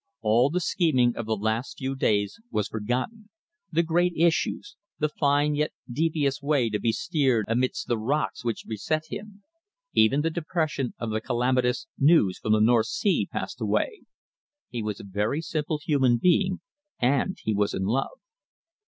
All the scheming of the last few days was forgotten, the great issues, the fine yet devious way to be steered amidst the rocks which beset him; even the depression of the calamitous news from the North Sea passed away. He was a very simple human being, and he was in love.